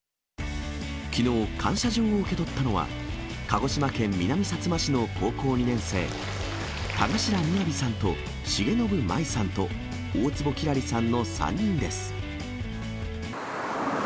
きのう、感謝状を受け取ったのは、鹿児島県南さつま市の高校２年生、田頭雅さんと重信茉依さんと、大坪星莉さんの３人です。